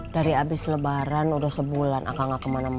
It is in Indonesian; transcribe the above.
dari abis lebaran udah sebulan akang nggak kemana mana